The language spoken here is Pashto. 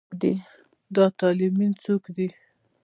دا طالېمن څوک دی.